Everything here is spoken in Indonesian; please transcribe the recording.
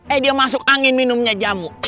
eh dia masuk angin minumnya jamu